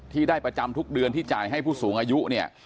ที่ได้ประจำทุกเดือนที่จ่ายให้ผู้สูงอายุเนี่ย